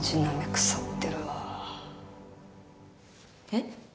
えっ？